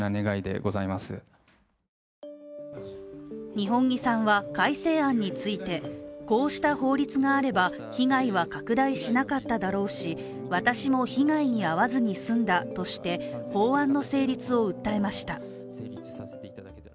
二本樹さんは改正案についてこうした法律があれば被害は拡大しなかっただろうし、私も被害に遭わずに済んだとして法案の成立を訴えました。